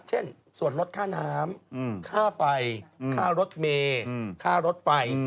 เช่นส่วนลดค่าน้ำค่าไฟค่ารถเมย์ค่ารถไฟ